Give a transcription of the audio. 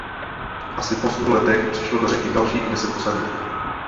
Asi po stu letech přišlo do Řeky dalších deset osadníků.